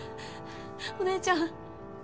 お姉ちゃん